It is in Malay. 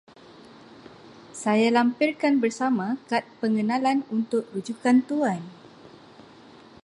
Saya lampirkan bersama kad pengenalan untuk rujukan Tuan.